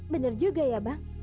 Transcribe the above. bener juga ya bang